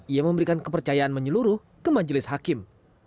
ia memberikan kepercayaan menyeluruh ke majelis hakim